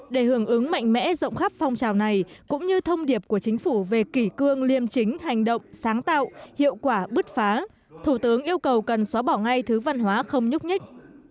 để hưởng ứng mạnh mẽ rộng khắp phong trào này cũng như thông điệp của chính phủ về kỷ cương liêm chính hành động sáng tạo hiệu quả bứt phá thủ tướng yêu cầu cần xóa bỏ ngay thứ văn hóa không nhúc nhích